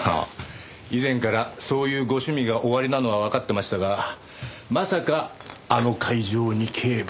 以前からそういうご趣味がおありなのはわかってましたがまさかあの会場に警部殿がねぇ。